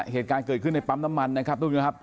เหตุการณ์เกิดขึ้นในปั๊มน้ำมันนะครับทุกผู้ชมครับ